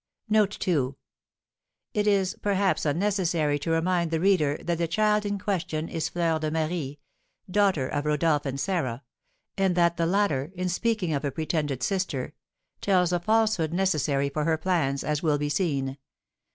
It is, perhaps, unnecessary to remind the reader that the child in question is Fleur de Marie, daughter of Rodolph and Sarah, and that the latter, in speaking of a pretended sister, tells a falsehood necessary for her plans, as will be seen.